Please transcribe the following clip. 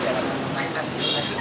dalam menggunakan aktivitas